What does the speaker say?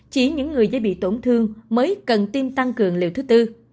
chỉ những người dễ bị tổn thương mới cần tiêm tăng cường liều thứ tư